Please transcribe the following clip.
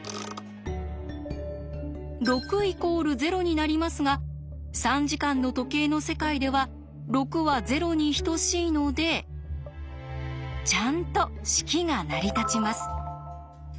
６＝０になりますが３時間の時計の世界では６は０に等しいのでちゃんと式が成り立ちます。